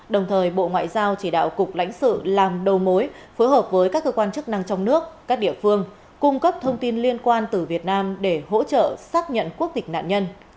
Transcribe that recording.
đồng thời bộ ngoại giao chỉ đạo cục lãnh sự làm đầu mối phối hợp với các cơ quan chức năng trong nước các địa phương cung cấp thông tin liên quan từ việt nam để hỗ trợ xác nhận quốc tịch nạn nhân